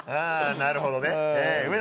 なるほどね。